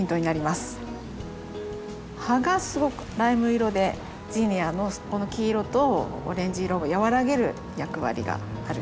葉がすごくライム色でジニアの黄色とオレンジ色を和らげる役割がある。